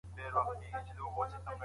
ځان سره مهرباني د باور لومړی ګام دی.